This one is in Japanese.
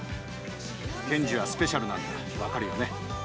ケンジはスペシャルなんだ、分かるよ。